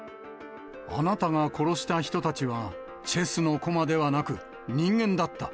あなたが殺した人たちは、チェスの駒ではなく、人間だった。